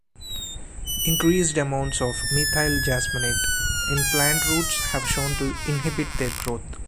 Increased amounts of methyl jasmonate in plant roots have shown to inhibit their growth.